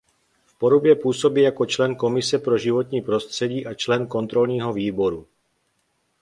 V Porubě působí jako člen Komise pro životní prostředí a člen Kontrolního výboru.